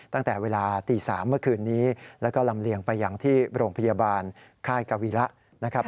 ตั้งแต่เวลาตี๓เมื่อคืนนี้แล้วก็ลำเลียงไปอย่างที่โรงพยาบาลค่ายกวีระนะครับ